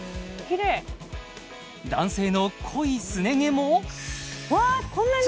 男性の濃いスネ毛もわっこんなに？